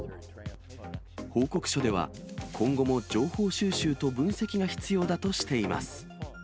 報告書では、今後も情報収集と分析が必要だとしています。